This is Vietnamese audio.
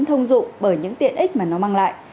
thông dụng bởi những tiện ích mà nó mang lại